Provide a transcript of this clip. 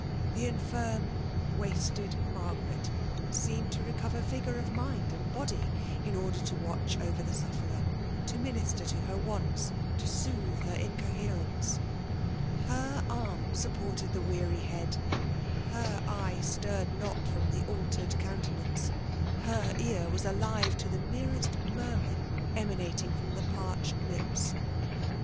The Sofitm^ Ytasted Margaret seemed to recover vigour of mind and body in order to watch over the sufferer* to minister to her wants, to soothe her incoherence. Her arm supported the weary head> ^Aer e^e stirred . not from the altered countenance — her ear was alive to the sierest murmur emanating from the parched lips.